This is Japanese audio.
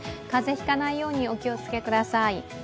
風邪ひかないようにお気をつけください。